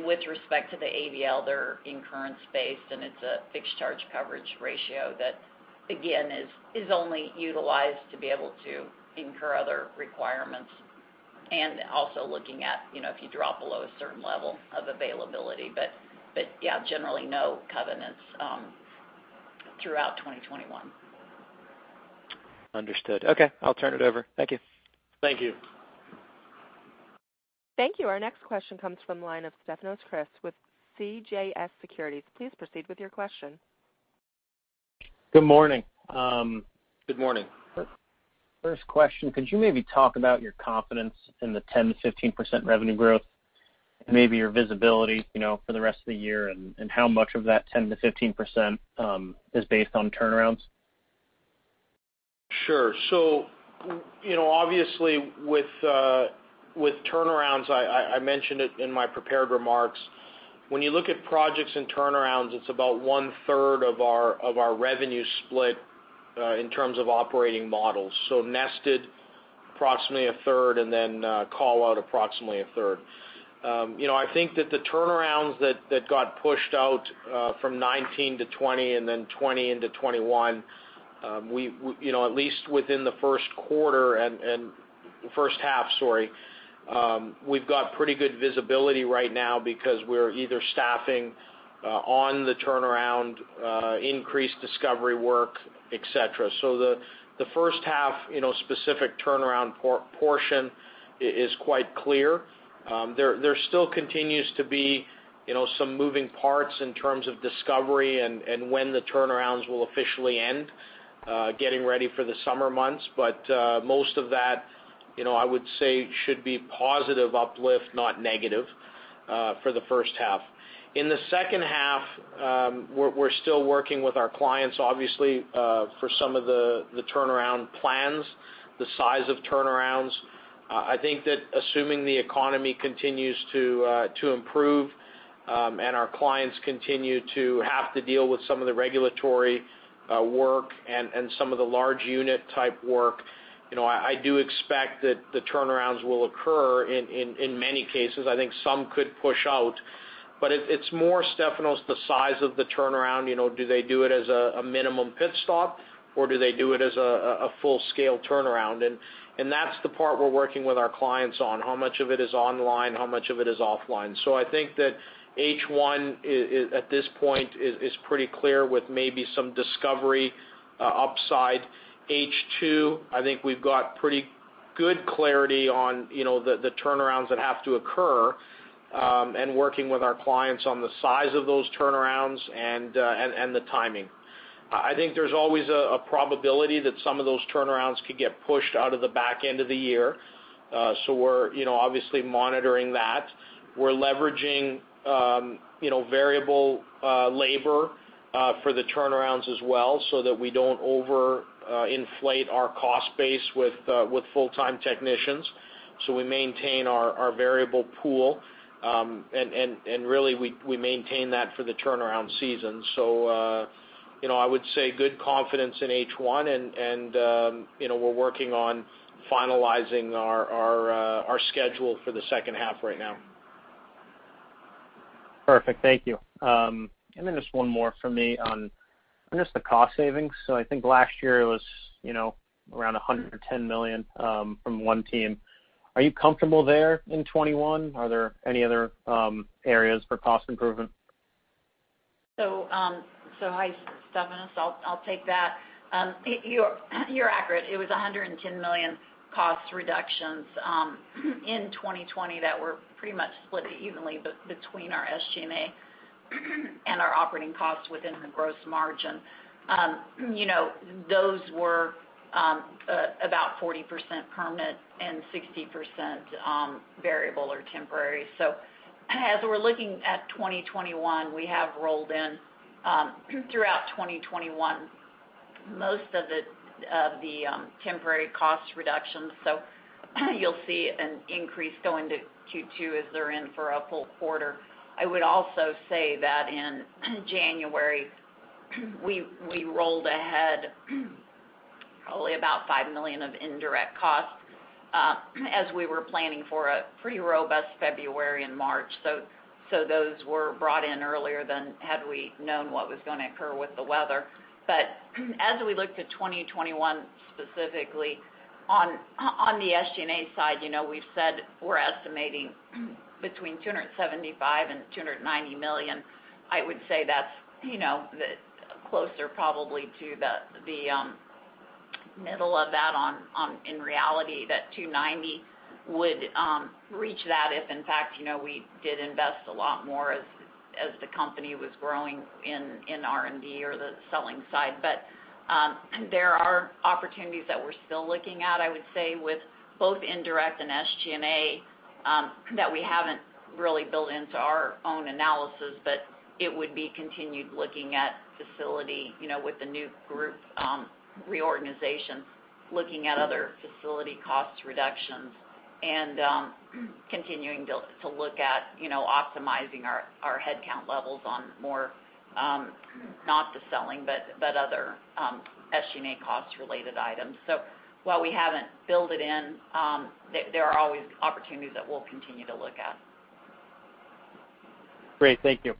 D: With respect to the ABL, they're incurrence based, and it's a fixed charge coverage ratio that again, is only utilized to be able to incur other requirements and also looking at if you drop below a certain level of availability. Yeah, generally no covenants throughout 2021.
F: Understood. Okay, I'll turn it over. Thank you.
C: Thank you.
A: Thank you. Our next question comes from the line of Stefanos Crist with CJS Securities. Please proceed with your question.
G: Good morning.
C: Good morning.
G: First question, could you maybe talk about your confidence in the 10%-15% revenue growth and maybe your visibility for the rest of the year, and how much of that 10%-15% is based on turnarounds?
C: Sure. Obviously with turnarounds, I mentioned it in my prepared remarks. When you look at projects and turnarounds, it's about 1/3 of our revenue split in terms of operating models. Nested approximately a third, and then call-out approximately a third. I think that the turnarounds that got pushed out from 2019 to 2020, and then 2020 into 2021, at least within the first quarter and first half, sorry. We've got pretty good visibility right now because we're either staffing on the turnaround, increased discovery work, et cetera. The first half specific turnaround portion is quite clear. There still continues to be some moving parts in terms of discovery and when the turnarounds will officially end, getting ready for the summer months. Most of that, I would say, should be positive uplift, not negative, for the first half. In the second half, we're still working with our clients, obviously, for some of the turnaround plans, the size of turnarounds. I think that assuming the economy continues to improve and our clients continue to have to deal with some of the regulatory work and some of the large unit type work, I do expect that the turnarounds will occur in many cases. I think some could push out. It's more, Stefanos, the size of the turnaround. Do they do it as a minimum pit stop, or do they do it as a full-scale turnaround? That's the part we're working with our clients on. How much of it is online? How much of it is offline? I think that H1, at this point, is pretty clear with maybe some discovery upside. H2, I think we've got pretty good clarity on the turnarounds that have to occur, and working with our clients on the size of those turnarounds and the timing. I think there's always a probability that some of those turnarounds could get pushed out of the back end of the year. We're obviously monitoring that. We're leveraging variable labor for the turnarounds as well, so that we don't over-inflate our cost base with full-time technicians. We maintain our variable pool, and really, we maintain that for the turnaround season. I would say good confidence in H1, and we're working on finalizing our schedule for the second half right now.
G: Perfect, thank you. Just one more from me on the cost savings. I think last year it was around $110 million from OneTEAM. Are you comfortable there in 2021? Are there any other areas for cost improvement?
D: Hi, Stefanos. I'll take that. You're accurate. It was $110 million cost reductions in 2020 that were pretty much split evenly between our SG&A and our operating costs within the gross margin. Those were about 40% permanent and 60% variable or temporary. As we're looking at 2021, we have rolled in, throughout 2021, most of the temporary cost reductions. You'll see an increase going to Q2 as they're in for a full quarter. I would also say that in January, we rolled ahead probably about $5 million of indirect costs as we were planning for a pretty robust February and March. Those were brought in earlier than had we known what was going to occur with the weather. As we looked at 2021, specifically on the SG&A side, we've said we're estimating between $275 million-$290 million. I would say that's closer probably to the middle of that in reality. That $290 would reach that if, in fact, we did invest a lot more as the company was growing in R&D or the selling side. There are opportunities that we're still looking at, I would say, with both indirect and SG&A that we haven't really built into our own analysis. It would be continued looking at facility with the new group reorganizations, looking at other facility cost reductions, and continuing to look at optimizing our headcount levels on more, not the selling, but other SG&A cost-related items. While we haven't built it in, there are always opportunities that we'll continue to look at.
G: Great, thank you.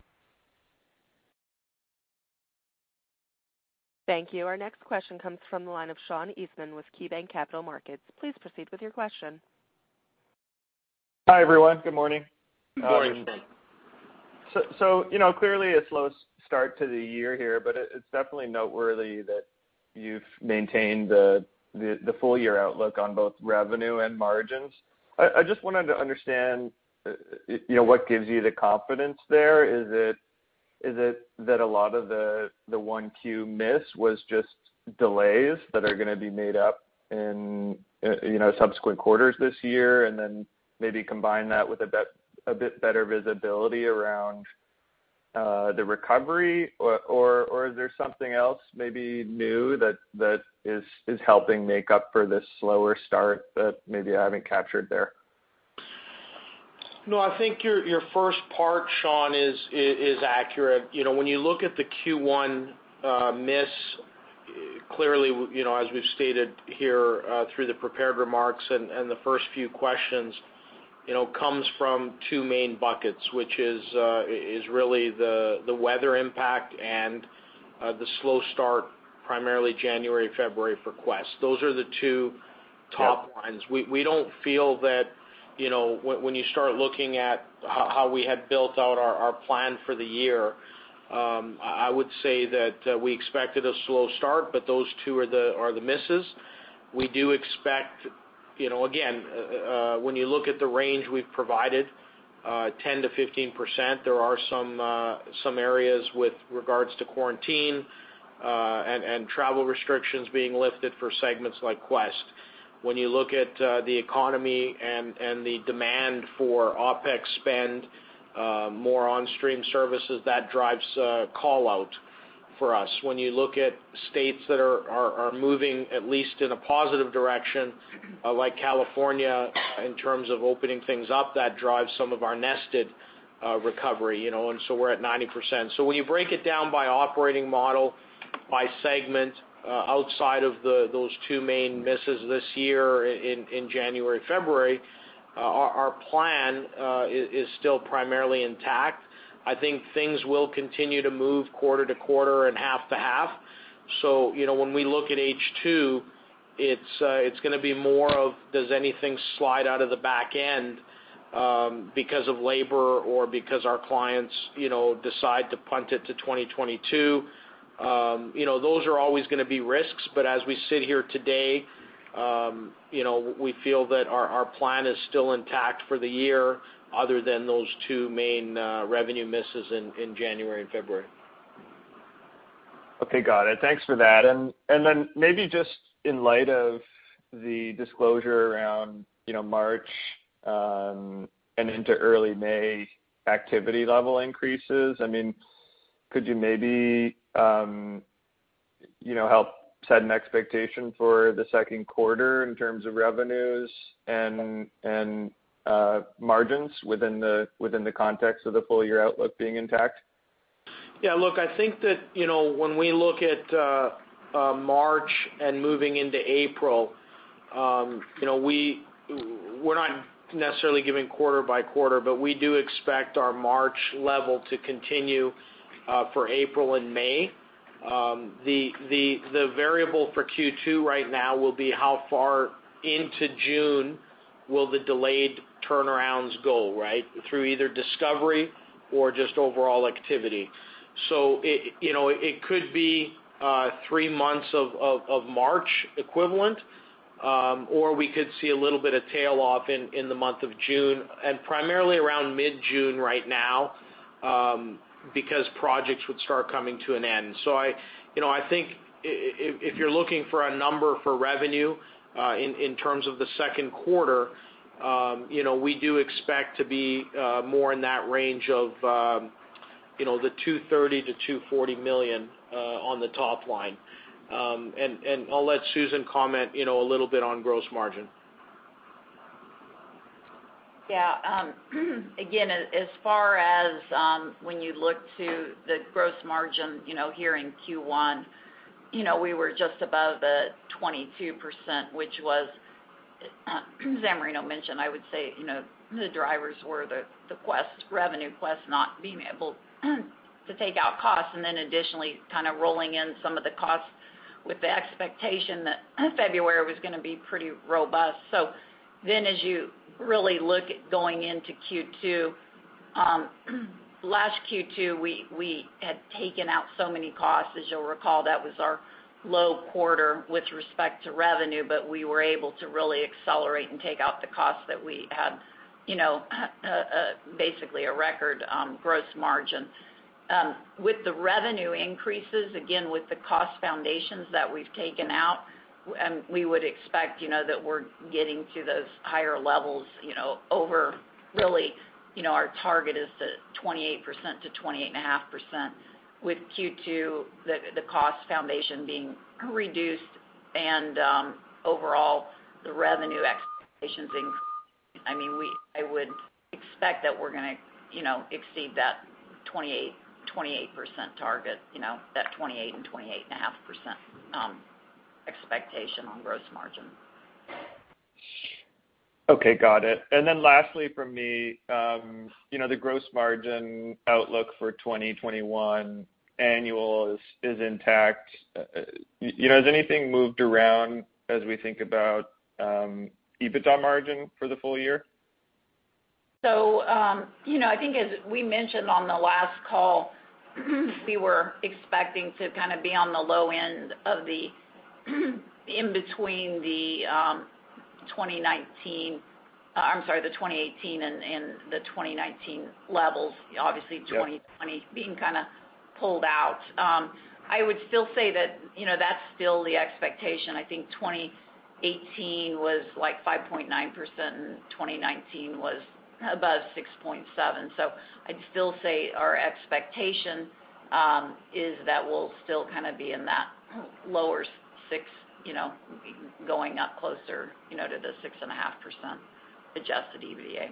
A: Thank you. Our next question comes from the line of Sean Eastman with KeyBanc Capital Markets. Please proceed with your question.
H: Hi, everyone. Good morning.
C: Good morning, Sean.
H: Clearly a slow start to the year here, but it's definitely noteworthy that you've maintained the full-year outlook on both revenue and margins. I just wanted to understand what gives you the confidence there? Is it that a lot of the 1Q miss was just delays that are going to be made up in subsequent quarters this year and then maybe combine that with a bit better visibility around the recovery? Or is there something else maybe new that is helping make up for this slower start that maybe I haven't captured there?
C: I think your first part, Sean, is accurate. When you look at the Q1 miss, clearly, as we've stated here through the prepared remarks and the first few questions, it comes from two main buckets, which is really the weather impact and the slow start, primarily January, February for Quest. Those are the two top lines. We don't feel that when you start looking at how we had built out our plan for the year, I would say that we expected a slow start, those two are the misses. We do expect, again, when you look at the range we've provided, 10%-15%, there are some areas with regards to quarantine and travel restrictions being lifted for segments like Quest. When you look at the economy and the demand for OpEx spend, more on-stream services, that drives call-out for us. When you look at states that are moving at least in a positive direction, like California, in terms of opening things up, that drives some of our nested recovery, and so we're at 90%. When you break it down by operating model, by segment, outside of those two main misses this year in January, February, our plan is still primarily intact. I think things will continue to move quarter to quarter and half to half. When we look at H2, it's going to be more of does anything slide out of the back end because of labor or because our clients decide to punt it to 2022? Those are always going to be risks, but as we sit here today, we feel that our plan is still intact for the year, other than those two main revenue misses in January and February.
H: Okay, got it. Thanks for that. Maybe just in light of the disclosure around March, and into early May, activity level increases. Could you maybe help set an expectation for the second quarter in terms of revenues and margins within the context of the full-year outlook being intact?
C: Look, I think that when we look at March and moving into April, we're not necessarily giving quarter by quarter, but we do expect our March level to continue for April and May. The variable for Q2 right now will be how far into June will the delayed turnarounds go, right? Through either discovery or just overall activity. It could be three months of March equivalent, or we could see a little bit of tail off in the month of June, and primarily around mid-June right now, because projects would start coming to an end. I think if you're looking for a number for revenue, in terms of the second quarter, we do expect to be more in that range of the $230 million-$240 million on the top line. I'll let Susan comment a little bit on gross margin.
D: Yeah. Again, as far as when you look to the gross margin here in Q1, we were just above the 22%, which was, as Amerino mentioned, I would say the drivers were the Quest revenue, Quest not being able to take out costs. Additionally, kind of rolling in some of the costs with the expectation that February was going to be pretty robust. As you really look at going into Q2, last Q2, we had taken out so many costs. As you'll recall, that was our low quarter with respect to revenue, but we were able to really accelerate and take out the costs that we had basically a record gross margin. With the revenue increases, again, with the cost foundations that we've taken out, we would expect that we're getting to those higher levels over really our target is 28%-28.5% with Q2, the cost foundation being reduced and overall the revenue expectations increase. I would expect that we're going to exceed that 28% target, that 28% and 28.5% expectation on gross margin.
H: Okay, got it. Lastly from me, the gross margin outlook for 2021 annual is intact. Has anything moved around as we think about EBITDA margin for the full year?
D: I think as we mentioned on the last call, we were expecting to kind of be on the low end of the in between the 2018 and the 2019 levels. Obviously 2020 being kind of pulled out. I would still say that's still the expectation. I think 2018 was like 5.9% and 2019 was above 6.7%. I'd still say our expectation is that we'll still kind of be in that lower 6%, going up closer to the 6.5% adjusted EBITDA.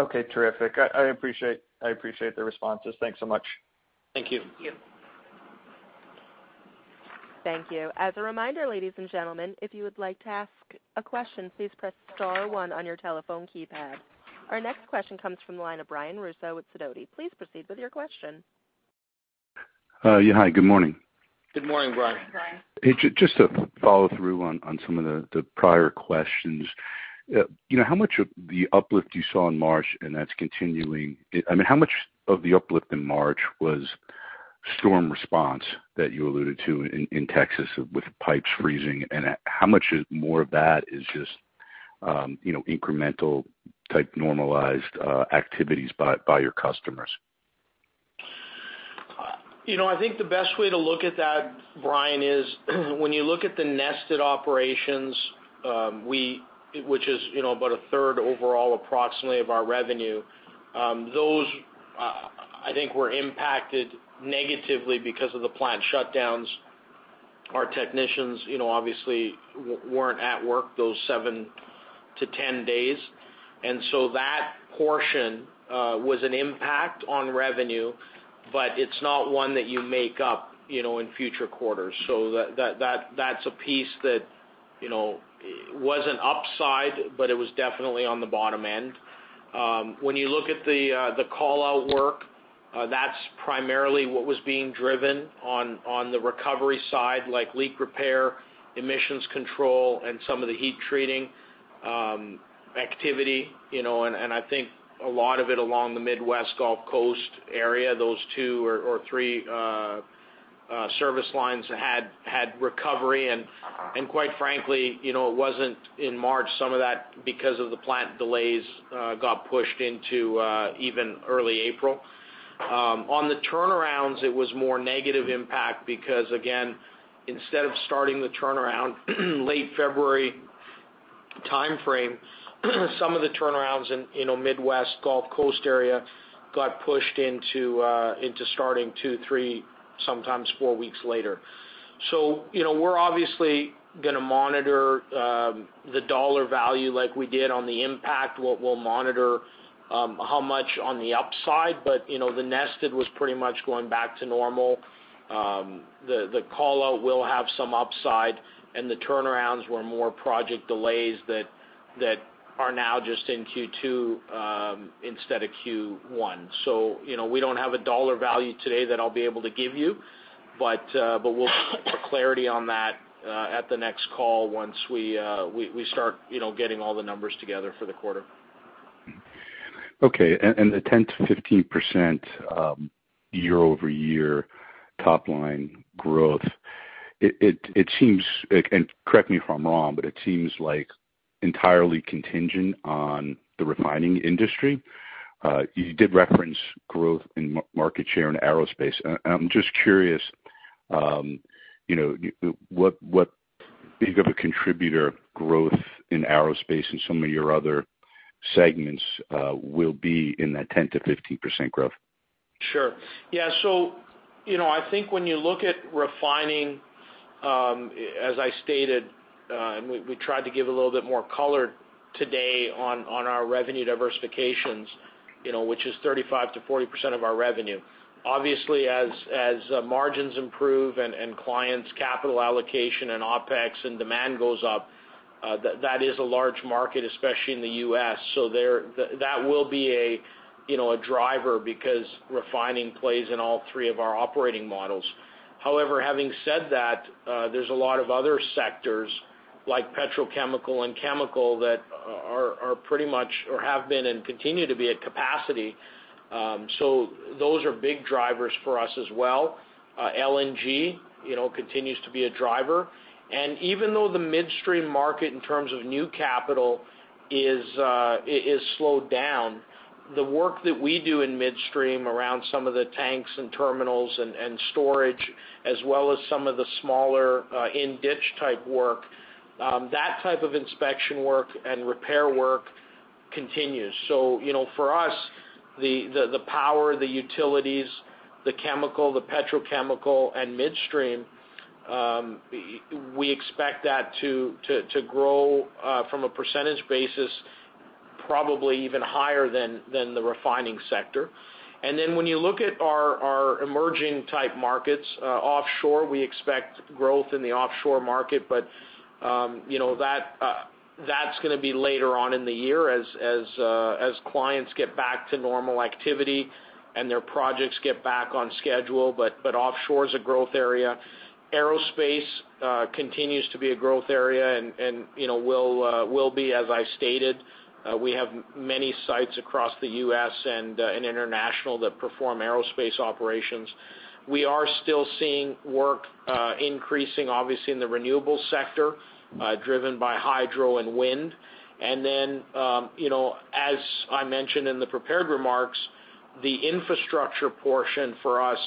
H: Okay, terrific. I appreciate the responses. Thanks so much.
C: Thank you.
D: Thank you.
A: Thank you. As a reminder, ladies and gentlemen, if you would like to ask a question, please press star one on your telephone keypad. Our next question comes from the line of Brian Russo with Sidoti. Please proceed with your question.
I: Yeah. Hi, good morning.
C: Good morning, Brian.
D: Good morning, Brian.
I: Just to follow through on some of the prior questions. How much of the uplift in March was storm response that you alluded to in Texas with pipes freezing? How much more of that is just incremental type normalized activities by your customers?
C: I think the best way to look at that, Brian, is when you look at the nested operations, which is about 1/3 overall, approximately of our revenue. Those, I think, were impacted negatively because of the plant shutdowns. Our technicians obviously weren't at work those 7-10 days. That portion was an impact on revenue, but it's not one that you make up in future quarters. That's a piece that was an upside, but it was definitely on the bottom end. When you look at the call-out work, that's primarily what was being driven on the recovery side, like leak repair, emissions control, and some of the heat treating activity. I think a lot of it along the Midwest Gulf Coast area, those two or three service lines had recovery and quite frankly, it wasn't in March some of that because of the plant delays got pushed into even early April. On the turnarounds, it was more negative impact because again, instead of starting the turnaround late February timeframe, some of the turnarounds in Midwest Gulf Coast area got pushed into starting two, three, sometimes four weeks later. We're obviously gonna monitor the dollar value like we did on the impact. We'll monitor how much on the upside, but the nested was pretty much going back to normal. The call-out will have some upside and the turnarounds were more project delays that are now just in Q2 instead of Q1. We don't have a dollar value today that I'll be able to give you. We'll have clarity on that at the next call once we start getting all the numbers together for the quarter.
I: Okay. The 10%-15% year-over-year top line growth. Correct me if I'm wrong, it seems entirely contingent on the refining industry. You did reference growth in market share and aerospace. I'm just curious, what bit of a contributor growth in aerospace and some of your other segments will be in that 10% to 15% growth?
C: Sure. Yeah. I think when you look at refining, as I stated, and we tried to give a little bit more color today on our revenue diversifications, which is 35%-40% of our revenue. Obviously, as margins improve and clients capital allocation and OpEx and demand goes up, that is a large market, especially in the U.S. That will be a driver because refining plays in all three of our operating models. However, having said that, there's a lot of other sectors like petrochemical and chemical that are pretty much or have been and continue to be at capacity. Those are big drivers for us as well. LNG continues to be a driver. Even though the midstream market in terms of new capital is slowed down, the work that we do in midstream around some of the tanks and terminals and storage, as well as some of the smaller in-ditch type work, that type of inspection work and repair work continues. For us, the power, the utilities, the chemical, the petrochemical, and midstream, we expect that to grow, from a percentage basis, probably even higher than the refining sector. When you look at our emerging type markets offshore, we expect growth in the offshore market. That's going to be later on in the year as clients get back to normal activity and their projects get back on schedule. Offshore is a growth area. Aerospace continues to be a growth area and will be, as I stated. We have many sites across the U.S. and international that perform aerospace operations. We are still seeing work increasing, obviously in the renewable sector, driven by hydro and wind. Then, as I mentioned in the prepared remarks, the infrastructure portion for us,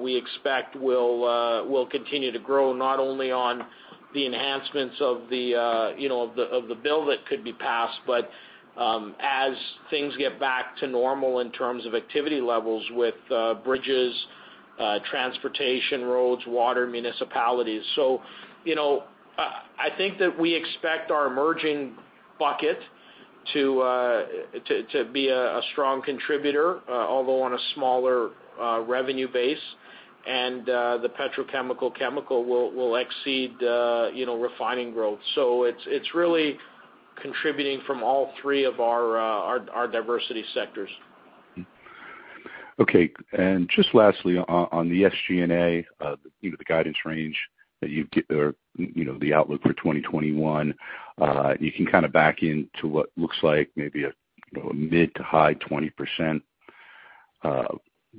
C: we expect will continue to grow, not only on the enhancements of the bill that could be passed, but as things get back to normal in terms of activity levels with bridges, transportation, roads, water, municipalities. I think that we expect our emerging bucket to be a strong contributor, although on a smaller revenue base, and the petrochemical chemical will exceed refining growth. It's really contributing from all three of our diversity sectors.
I: Okay. Just lastly, on the SG&A, the guidance range that or the outlook for 2021, you can kind of back into what looks like maybe a mid to high 20%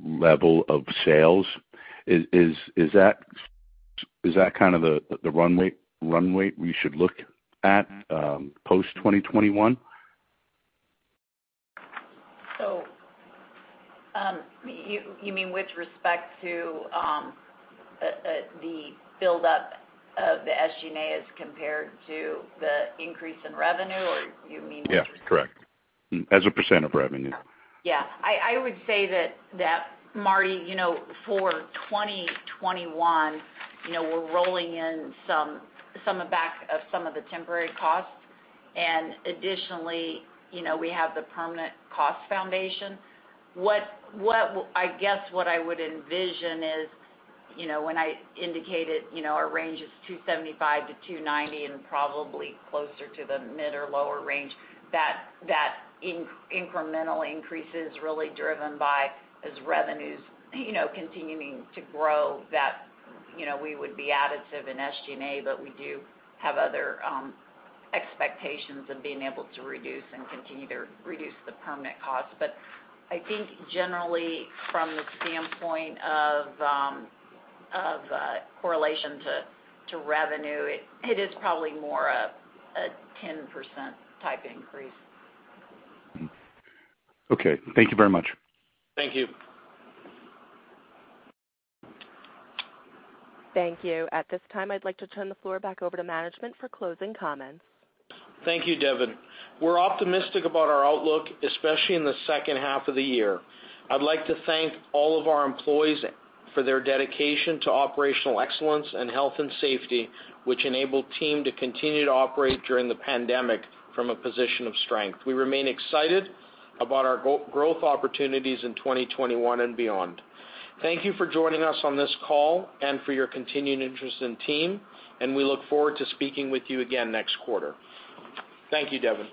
I: level of sales. Is that kind of the runway we should look at post 2021?
D: You mean with respect to the build-up of the SG&A as compared to the increase in revenue?
I: Yeah, correct. As a percent of revenue.
D: Yeah. I would say that, Marty, for 2021, we're rolling in some of back of some of the temporary costs. Additionally, we have the permanent cost foundation. I guess what I would envision is, when I indicated our range is $275 million-$290 million and probably closer to the mid or lower range, that incremental increase is really driven by, as revenues continuing to grow, that we would be additive in SG&A, but we do have other expectations of being able to reduce and continue to reduce the permanent costs. I think generally from the standpoint of correlation to revenue, it is probably more a 10% type increase.
I: Okay. Thank you very much.
C: Thank you.
A: Thank you. At this time, I'd like to turn the floor back over to management for closing comments.
C: Thank you, Devin. We're optimistic about our outlook, especially in the second half of the year. I'd like to thank all of our employees for their dedication to operational excellence in health and safety, which enabled TEAM to continue to operate during the pandemic from a position of strength. We remain excited about our growth opportunities in 2021 and beyond. Thank you for joining us on this call and for your continued interest in TEAM, and we look forward to speaking with you again next quarter. Thank you, Devin.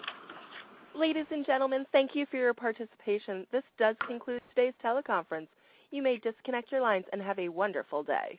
A: Ladies and gentlemen, thank you for your participation. This does conclude today's teleconference. You may disconnect your lines and have a wonderful day.